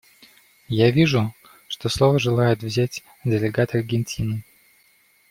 Я вижу, что слово желает взять делегат Аргентины.